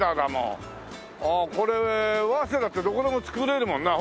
ああこれ早稲田ってどこでも作れるもんな。